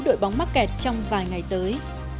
đội bóng mắc kẹt trong vài ngày tới